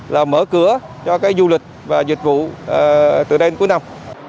là mở cửa cho cái du lịch và dịch vụ từ đến cuối năm